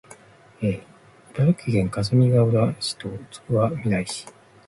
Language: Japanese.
茨城県のかすみがうら市とつくばみらい市